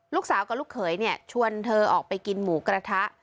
ลูกสาวกับลูกเขยเนี่ยชวนเธอออกไปกินหมูกระทะ